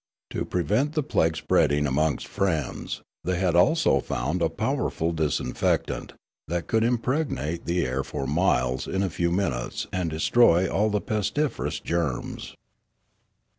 To prevent the plague spreading amongst friends, they had also found a powerful disinfectant, that could impreg nate the air for miles in a few minutes and destro}'^ all the pestiferous germs.